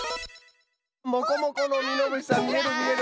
モコモコのミノムシさんみえるみえる！